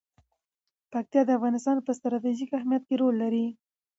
پکتیا د افغانستان په ستراتیژیک اهمیت کې رول لري.